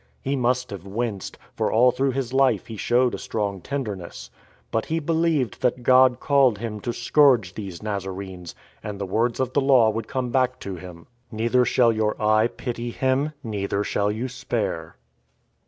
He must have winced, for all through his life he showed a strong tenderness. But he believed that God called him to scourge these Nazarenes, and the words of the Law would come back to him: " Neither shall your eye pity him, Neither shall you spare."